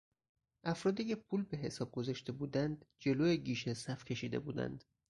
افرادی که پول به حساب گذاشته بودند جلو گیشه صف کشیده بودند.